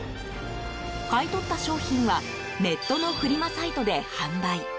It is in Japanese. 買い取った商品はネットのフリマサイトで販売。